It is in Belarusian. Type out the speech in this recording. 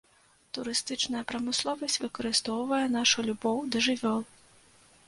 Турыстычная прамысловасць выкарыстоўвае нашу любоў да жывёл.